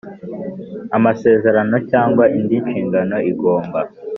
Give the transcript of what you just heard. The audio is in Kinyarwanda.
Amasezerano cyangwa indi nshingano igomba